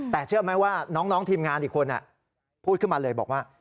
แต่เชื่อไหมว่าน้องทีมงานอีกคนพูดขึ้นมาเลยบอกว่า